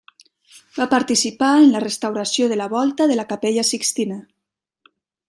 Va participar en la restauració de la Volta de la Capella Sixtina.